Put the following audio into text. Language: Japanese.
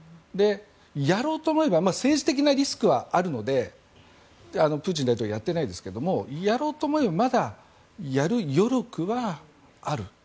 やろうと思えば政治的なリスクはあるのでプーチン大統領やってないですけどやろうと思えばまだ、やる余力はある。